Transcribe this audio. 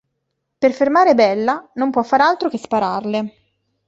Per fermare Bella, non può far altro che spararle.